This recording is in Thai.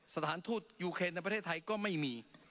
สถานทูตยูเคนในประเทศไทยก็ไม่มี